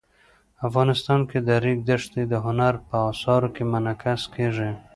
افغانستان کې د ریګ دښتې د هنر په اثار کې منعکس کېږي.